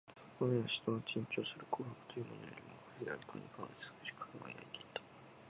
その眼は人間の珍重する琥珀というものよりも遥かに美しく輝いていた